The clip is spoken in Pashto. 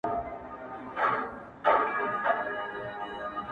او لږ لږ کمزوری کيږي هره ورځ،